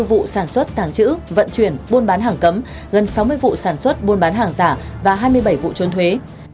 bảy trăm linh bốn vụ sản xuất tàng trữ vận chuyển buôn bán hàng cấm gần sáu mươi vụ sản xuất buôn bán hàng giả và hai mươi bảy vụ trốn thuế